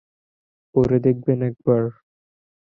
পড়ে দেখবেন একবার।